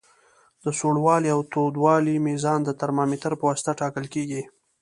د سوړوالي او تودوالي میزان د ترمامتر پواسطه ټاکل کیږي.